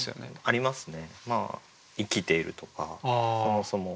ありますね。